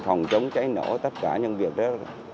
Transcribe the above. phòng chống cháy nổ tất cả những việc đó